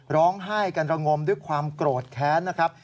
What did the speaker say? ร้องไห้กันระงมด้วยความโกรธแค้นนะครับ